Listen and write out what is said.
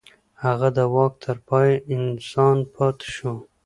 هغه د واک تر پای انسان پاتې شو.